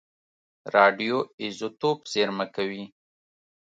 راډیو ایزوتوپ زېرمه کوي.